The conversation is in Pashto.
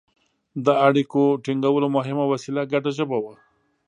د اړیکو ټینګولو مهمه وسیله ګډه ژبه وه.